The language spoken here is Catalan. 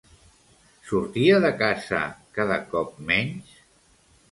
Sortia de casa cada cop menys?